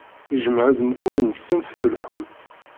Ijemmeɛ-d mkul ṣṣenf n lḥut.